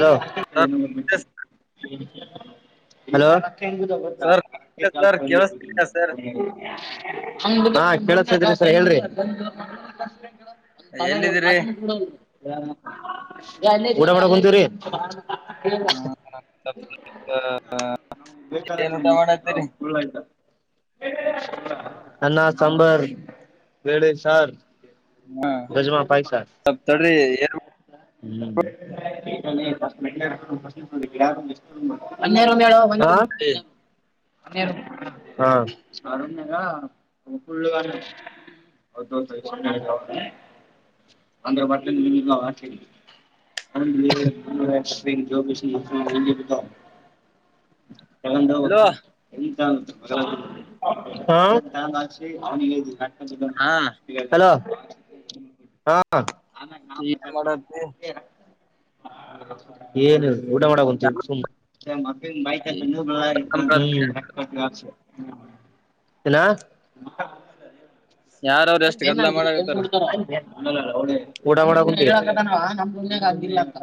Hello hello. ಬ sir ನಾ. Sir ಕೇಳಸ್ತಿದ್ಯಾ ಸರ್ ಕೇಳ. ಎಲ್ಲಿದಿರಿ ಕೂಡ ಬ ಕುಂತೀವ್ರೀ. ಹ. ಬೇಕಾದ ನಮಗೆ ಹಳ್ಳಾಯ್ತಾ. ಅನ್ನ ಸಾಂಬರ್ ವೇಳ ಸಾರ್. ಹಾ ಗಜ್ಮಾ ಸಪ್ಪತಡ್ರಿ ಏ. ಹ್ಮ ತಡಿ. ಮಡ ಎ. ಹ. ಅ. ೌ ಅಂದ್ರೆ ಮಲ್ಲ. ಹ ಹಲೋ ಜಬ. ಕಂದು ಹಾ ಹಲೋ ಹಾ. ನಾಾಗ ನಾನ್ ಏನ್ ಮಜಾತ್ ಮಾಡ. ಮಾಡತ್ತಿ ಏನು. ಊಟ ಮಾಡಂತೀ. ಇಲ್ಲ. ಯಾರವ್ರ ಎಷ್ಟ್ ಗದ್ಲ ಮಾಡಕತ್ತಾರ ಏನ್. ನಮ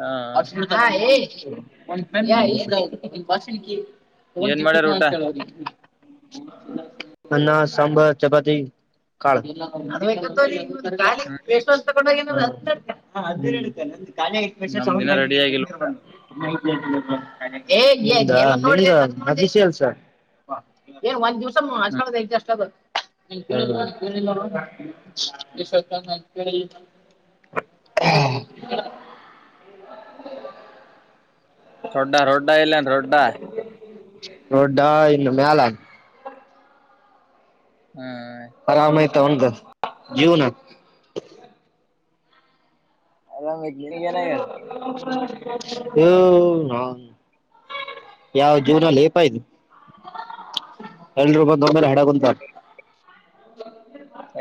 ಹಾ ಅಂತ. ಬ ಏನ್ ಮಾಡ್ಯಾರ ಊಟ ಒಕ್ಕ. ಅ ಸಾಂಬರ ಚಪಾತಿ ಕಾಳ. ವ ತೊಂಡ. ಕಾ ಹ್ಮ್ ವಷ ಸ ನಮ್ದ್ ಸಮೌ. ಇನ್ನ ರೆಡಿ ಆಗಿಲ್ಲ ಮಲ್ ಸರ್. ಏನ್ ಒಂದ್ ದಿವ್ಸಜ್ ಹ್ಮ್ ಕಳದ ಐತೆ ಅಷ್ಟದು. ಈ ಸ್ವತ ನಕ. ಹಾ. ರೊಡ್ಡಾ ರೊಡ್ಡಾ ಇಲ್ಲನ್ ರೊಡ್ಡಾ. ರೊಡ್ಡಾ ಇನ್ನು ಮ್ಯಲ. ಹ್ಮ್ ಆರಾಮ ಆಯಿತ ಒದ ಜೀವನಾ. ಅಲ್ಲ ಮೆಜಲಿ ಕೆನ ಯಾರ. ಹ ಹಾ. ಯಾವ ಜೀವನಲ್ಲೇಪ ಇ ಎಲ್ರು ಮ. ನೊ ಮೇಲೆ ಹೆಡ ಕೊಂತ.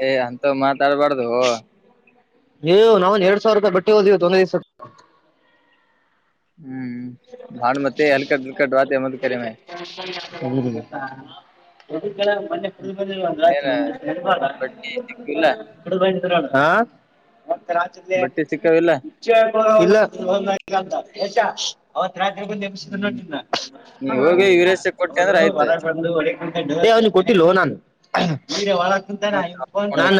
ಏ್ ಅಂತ ಮಾತಾಡ್ಬಾರ್ದು. ಯ ನಾವನ್ ಎರಡ್ ಸಾವಿರ ರೂಪಾಯಿ ಬಟ್ಟಿ ಹೋದ್ವಿ ತೊಂದ ದಿವಸ. ಹ್ಮ್ ಭಾಾಣ ಮತ್ತೆ ಹಲ್ಕಟ್ಲ್ಕಡ್ ರತ ಮದ್ ಕರೆ ಮ. ಎ. ಒದ ಮೊನ್ನೆ ಕುಡ ಬಂದ ಒಂದು ಏನ ರಾತ್ರಿ ಒಂದರ್ಬಳ ಬಟ್ಟಿ ಸಿಕ್ಕಿಲ್ಲ ಕುಡ ಬಂದ. ಹಾ ಮತ್ತ ರಾಜ್ಯ. ಬಟ್ಟಿ ಸಿಕ್ಕಾವಿಲ್ಲ ಂತ ಹೆಚ್ಚ. ರಾತ್ರಿ ಬಂದು ಎಮಿಸ ಹ್ಮ್ ನೋನ್ನ ನೀ ಹೋಗಿ ಯುವರಾಜ್ ಕೊಟ್ಟೆ ಅವರು ಅಂದ್ರೆ ಆಯ್ತು ಹೊರಗೆ ಬಂದು ಹೊ. ಅವನಿಗೆ ಕೊಟ್ಟಲ್ ನಾನು. ಮತ್ ತಕೊಂಡೋಗಿ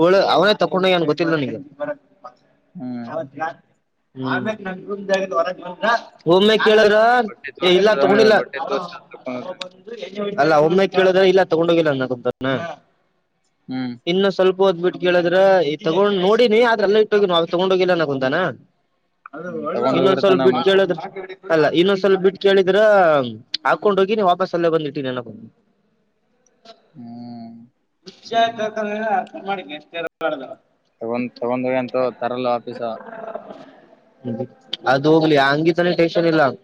ಹಳ ಅವನೇ ತಕೊಂಡ ಏನ್ ಗೊತ್ತಿಲ್ಲ ನೀಗ. ಹ್ಮ್ ನಕ್ ನಂಗಂದ್ ಆಗ ಹೊರಗ್ ನ. ಒಮ್ಮೆ ಕೇಳದ್ರ ಬಟ್ಟೆ ಏ ಇಲ್ಲ ತೋರ್ಸ್ಬಿಡ್ದ ಅವಂಗ ತಗೊಂಡಿಲ್ಲ ಬಟ್ಟೆ ತೋರ್ಸಿ ತಕೊಂಡ್ ಅಲ್ಲ ಒಮ್ಮೆ ಕೇಳುದ್ರ ಇಲ್ಲ ತಗೊಂಡ ಹೋಗಿಲ್ಲ ಹ್ಮ್ ಇನ್ನು ಸ್ವಲ್ಪ ಓದ್ಬ ಬಿಟ್ಟು ಕೇಳಿದ್ರ ಈ ತಗೊಂಡ್ ನೋಡಿನಿ ಆದ್ರಲ್ಲ ಇಟ್ಟೋಗಿ ಅವವು ತಗೊಂಡ ಹೋಗಿಲ್ಲ ಅ ಕುಂತಾನ ಹ್ಮ್ ತಗೊಂಡ್ ಇನ್ನೊಂದ್ ಸ್ವಲ್ಪ ಹೋಗಿರ್ತಾನ ಬಿಟ್ಟ ಮನ್ ಕೇಳದ್ರ ಅಲ್ಲ ಇನ್ನೊಂದ್ ಸ್ವಲ್ಪ ಬಿಟ್ಟ ಕೇಳಿದ್ರ ಹಾಕೊಂಡ್ ಹೋಗಿ ನೀ ವಾಪಸ್ ಅಲ್ಲೇ ಬಂದಿಟ್ಟ ನನೊ ಹ ಹ್ಮ್ ಖಷಿ ಆಯ್ತಂದ್ರ ಮಾಡಿ ಎಷ್ಟ ತಗೊಂಡ್ ತಗೊಂಡೋಗ ಎಂತ ತರಲ್ಲ ಆಫೀಸ ಅದ ಹೋಗ್ಲಿ ಹಂಗಿತಾನ ಟೆನ್ಷನ್ ಇಲ್ಲಂಗ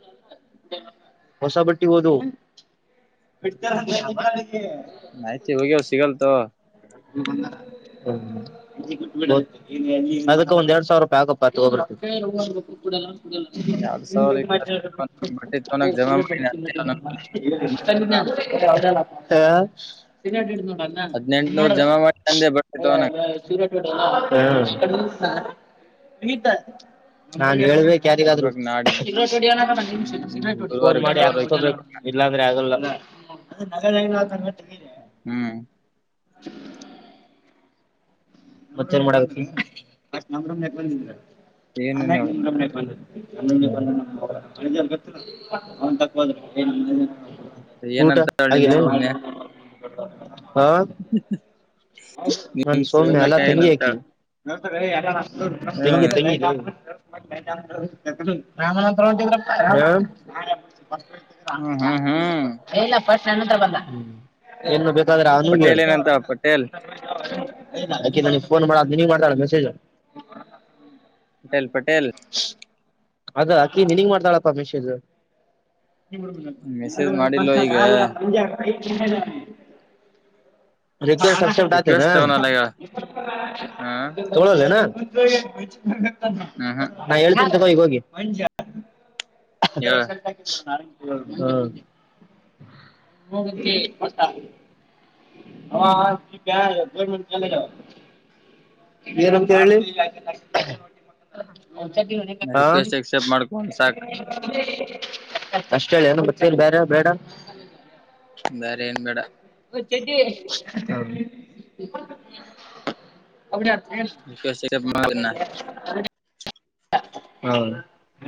ಹೊಸ ಬಟ್ಟಿ ಓದು ನಯ್ತಿ ಹೋಗ್ಯಾವ ಸಿಗಲ್ತ ಹ ಬಂದಾರ ಹ ಅದಕ್ಕ ಒಂದ್ ಎರಡ್ ಸಾವಿರ ರೂಪಾಯಿ ಆಗಪ್ಪತ್ಬ್ರ ಎರಡ್ ಸಾವಿರ ಬಟ್ಟೆ ತಗೋನಕ್ ಜಮಾ ಚಿನ್ನ ಮಾಡಿ ಚಿನ್ನ ಲ್ಲ ಸಿನಾ ಹಿಡ ನೋಡಲ್ಲ ಹದ್ನೆಂಟನೂರ್ ಜಮಾ ಮಾಡಿ ತಂದೆ ಬಟ್ಟೆ ತಗೋನಕ್ ಸೂರ ನಾನ್ ಹೇಳ್ಬೇಕ ಯಾರಿಗಾದ್ರು ತರ್ಬೇಕ್ ನಾಡಿದ್ದು ಹ್ಮ್ ಗುರುವಾರ ಫೋನ್ ಮಾಡಿ ಗುರುವಾರ ಹೋಗಿ ಹಾಕ್ಕೊಬೇಕ ತರ್ಬೇಕ್ ಇಲ್ಲಂದ್ರೆ ಆಗಲ್ಲ ನ ನಾ ಹ್ಮ್ [unintelligible] ಮತ್ತ ನ್ ಮಾಡ ಬಂದ ಏನೇನು ಬಂದ ಹ ಗೊತ್ತಿಲ್ಲ ಅವನ್ ತಕ್ಬೋದ್ರ ಏ ಊಟ ಏನಂತಾಳ ನಿಮ್ ಹಾಗಿದೆ ಸೌಮ್ಯ ಹಾ ನನ್ ನಿಮ್ ಸೋಮನೆ ಸೌಮ್ಯ ಹಲ ತೆಂಗಿ ಹಾಕಿ ಏನಂತಾಳ ತೆಂಗಿ ತೆಂಗಿ ರಾಮನಂತರ ಚಂದ್ರ ಹ್ಮ್ ಹ್ಮ್ ಹ್ಮ್ ಫಸ್ಟ್ ಹತ್ರ ಬಂದ ಪಟೇಲ್ ಏನಂತ ಪಟೇಲ್ [unintelligible] ನ್ ಮ ದನ ಮಾಡಳ ಬೆಸಜ ಪಟೇಲ್ ಪಟೇಲ್ ಅದ ಅಕಿ ನೀನ್ಗ್ ಮಾಡ್ತಾಳಪ್ಪ ಅಮಿಷ್ದು ಮೆಸೇಜ್ ಮಾಡಿಲ್ವ ಈಗ ಂಜ ರೆಗ್ಯುಲರ್ ಸಕ್ಷೆ ರಿಕ್ವೆಸ್ಟ್ ನಳ ತವನಲ್ಲ ಈಗ ಹ ಹ್ಮ್ ಹ್ಮ್ ನಾ ಹೇಳ್ತ ತಗೋ ಹೋಗಿ ನ ಹೇಳ ಹ ಹ ಮಟ್ಟಾ ಹಾ ಗರ್ಮೆಂಟ್ ಕಾಲಜಾವ ನೀರಂತ ಹ ರಿಕ್ವೆಸ್ಟ್ ಎಕ್ಸೆಪ್ಟ್ ಮಾಡ್ಕೊಂಡ್ ಸಾಕ್ ಅಷ್ಟ ಹೇಳಿ ಏನು ಗತ್ತಲ್ಲಿ ಬೇರೆ ಬೇಡ ಬರೆ ಏನ್ ಬೇಡ ಚೆಟ್ಟಿ ಅ ರಿಕ್ವೆಸ್ಟ್ ಎಕ್ಸೆಪ್ಟ್ ಮಾಡಿನ ಹ ಹೌ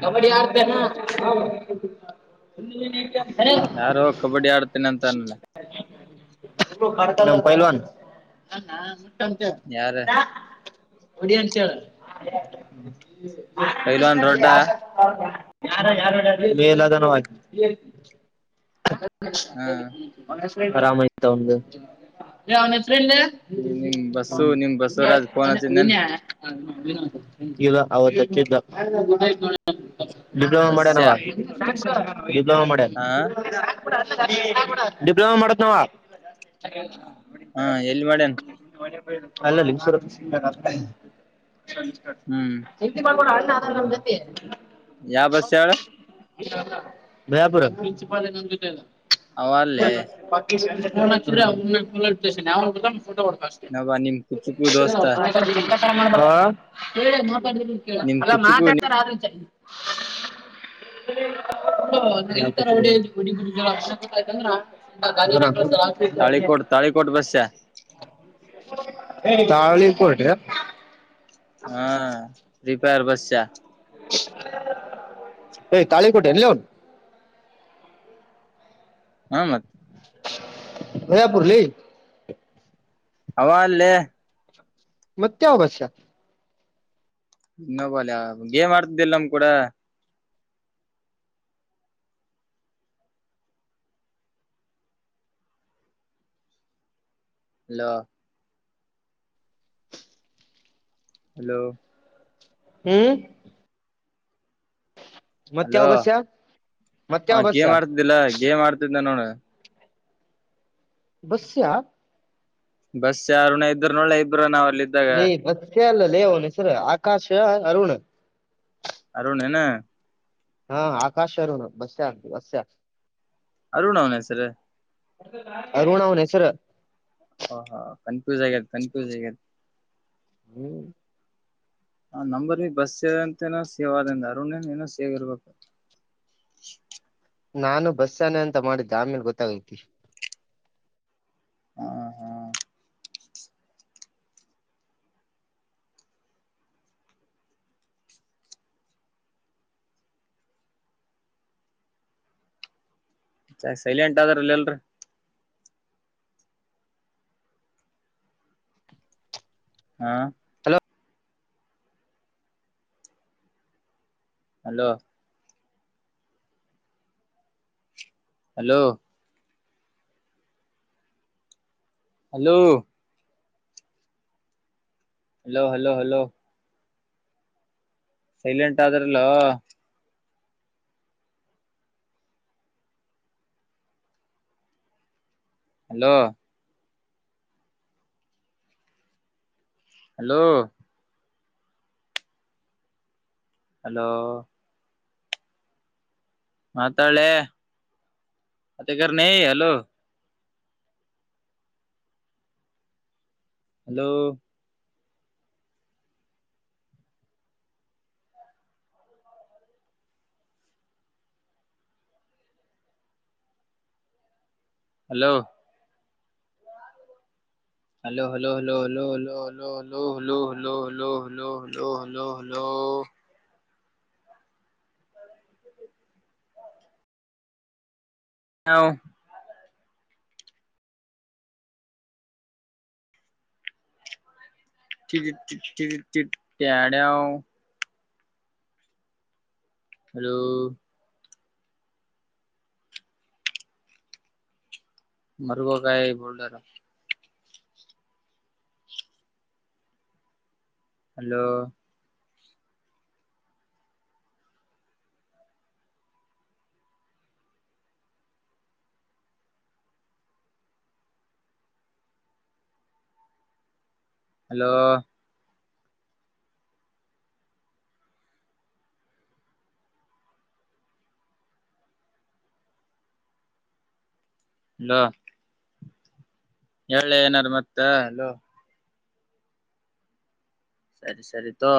ಕಬಡ್ಡಿ ಆಡ್ತೇನಾ ಇನ ಯಾರು ಕಬಡ್ಡಿ ಆಡ್ತೇನೆ ಅಂತ ಅನ್ಲ್ ಪಲ್ವನ್ ಯಾರ ತ ಹೊಡಿ ಅಂತ ಹೇಳ ಆ ಪೈಲ್ವಾನ್ ರೊಡ್ಡ [unintelligible] ಮೇಲದನವಾಗಿ [unintelligible] ಹ [unintelligible] ಅವನು ಹೆಸರು ಏನು ಆರಾಮ ಆಯ್ತು ತಗೊಂಡು ಲೀ ಅವನು ಹೆಸರು ನಿಮ್ ಬಸ್ಸು [unintelligible] ನಿಮ್ ಬಸವರಾಜ್ ಫೋನ್ ಹ್ಮ್ ಹಚ್ಚಿದ್ನೇನ್ ವಿನ್ನ [unintelligible] ಇಲ್ಲ ಅವತ್ತು ಹಚ್ಚಿದ [unintelligible] ಡಿಪ್ಲೊಮಾ ಬಸ್ಸ ಮಾಡ್ಯನವ ಡಿಪ್ಲೊಮಾ ಮಾಡ್ಯನ್ ಹ [unintelligible] [unintelligible] ಡಿಪ್ಲೊಮಾ ಮಾಡತ್ ನಾವ [unintelligible] ಹಾ ಎಲ್ಲಿ ಮಾಡ್ಯನ್ ಅಲ್ಲೇ ಲಿಂಗಸೂರು ಹ್ಮ್ [unintelligible] [unintelligible] ಯಾವ ಬಸ್ ಹೇಳು ಮಾಯಾಪುರು [unintelligible] [unintelligible] ಅವ ಅಲ್ಲೇ ಫೋಟೋ ವಾದು ಕಳಿಸ್ತೇನೆ ನವ ನಿಮ್ ಕುಚುಕು ದೋಸ್ತ [unintelligible] ಹಾ ನಿಮ್ ಕೇಳು ಕುಚುಕು ಮಾತಾಡ್ತಾರ ಆದ್ರು ಕೇಳು [unintelligible] [unintelligible] [unintelligible] [unintelligible] ತಾಳಿಕೋಟ್ ತಾಳಿಕೋಟ್ ಬಸ್ಸ ತವಳೆ ಕೊಡ್ರಿ [unintelligible] ಹಾ ರಿಪೇರ್ ಬಸ್ ಹೇ ತಾಳಿ ಕೋಟ್ಟೆ ಲೇಔನ್ ಹಾ ಮತ್ [unintelligible] ಅವ ಅಲಾ ಲೀ ಮತ್ತ ಯಾವ ಬಸ್ ಇನ್ನೋಬಲ್ಯ ಗೇಮ್ ಆಡ್ತಿದ್ದಿಲ್ಲ ನಮ ಕೂಡ ಹೆಲೋ ಹಲೋ ಹ್ಮ್ ಹೆಲೋ ಮತ್ಯಾವ ಬಸ್ಸ ಮತ್ಯಾವ ಅವನು ಬಸ್ಸ ಗೇಮ್ ಆಡ್ತಿದ್ದಿಲ್ಲ ಗೇಮ್ ಆಡ್ತಿದ್ನ ನೋಡು ಬಸಿಯ ಬಸ್ ಯಾರನ ಇದರು ನೋಳ್ಳೆ ಇಬ್ಬರು ನಾವ್ ಅಲ್ಲಿ ಇದ್ದಾಗ ಹೇ ಬೂಸಾ ಅಲಾ ಲೀ ಅವನು ಹೆಸರು ಆಕಾಶ ಅರುಣ್ ಅರುಣ್ ಏನೂ ಹಾ ಆಕಾಶ ಅರುಣ್ ಬಸ್ಯಾ ಬಸ್ ಅರುಣ್ ಅವನು ಹೆಸರು ಅರುಣ್ ಅವನು ಹೆಸರು ಹಾ ಕನ್ಫ್ಯೂಸ್ ಆಗುತ್ತೆ ಕನ್ಫ್ಯೂಸ್ ಆಗುತ್ತೆ ಹ್ಮ್ ಹ ನಂಬರ್ ಬಿ ಬಸ್ ಸೇ ಅಂತನ ಸೇವ್ ಅ್ರಿಂದ ಅರುಣನ್ ಏನೋ ಸೇವ್ ಇರ್ಬೇಕು [inaudible] ನಾನು ಬಸ್ ಯಾನೆ ಅಂತ ಮಾಡಿದ್ದೆ ಆಮೇಲೆ ಗೊತ್ತಾಗೈತಿ ಹಾ ಹಾ ಸೈಲೆಂಟ್ ಆದ್ರಲ್ಲ ಎಲ್ರ ಹಾ hello hello hello hello hello hello hello silent ಆದ್ರೂ ಅಲ್ಲೋ ಹಲೋ ಹಲೋ ಹಲೋ ಮಾತಾಳೆ ಅತ್ತ ಕರ್ ನೀ hello.. hello. Hello. Hello hello hello hello hello hello hello hello hello hello hello hello hello hello. [inaudible] [unintelligible] [unintelligible] Hello. ಮರುಗೋ ಕಾಯ ಬೋಲ್ದಾರ. ಹಲೋ. ಹಲೋ. ಲೋ. ಹೇಳೆ ಏನರ ಮತ್ತ ಹಲೋ. ಸರಿ ಸರಿ ತೋಗೋ.